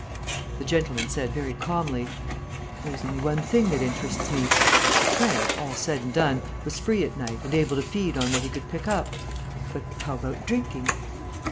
The gentleman said, very calmly: "There's only one thing that interests me. The tramp, all said and done, was free at night and able to feed on what he could pick up. But how about drinking?"